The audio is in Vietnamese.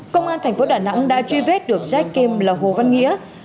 công an thành phố đà nẵng đã truy vết được jet kim là hồ văn nghĩa